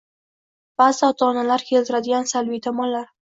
Ba’zi ota-onalar keltiradigan salbiy tomonlar: